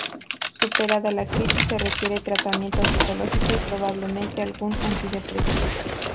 Superada la crisis se requiere tratamiento psicológico y probablemente algún antidepresivo.